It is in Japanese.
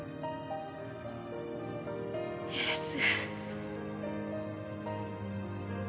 エース。